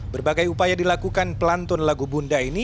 berbagai upaya dilakukan pelantun lagu bunda ini